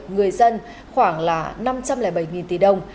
người dân khoảng là năm trăm linh bảy tỷ đồng